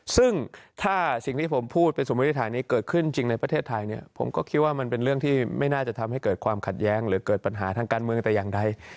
ซึ่งถ้าสิ่งที่ผมพูดไปสมมติฐานนี้เกิดขึ้นจริงในประเทศไทยเนี่ยผมก็คิดว่ามันเป็นเรื่องที่ไม่น่าจะทำให้เกิดความขัดแย้งหรือเกิดปัญหาทางการเมืองแต่อย่างใด